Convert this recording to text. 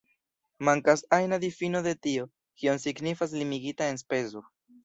Mankas ajna difino de tio, kion signifas limigita enspezo.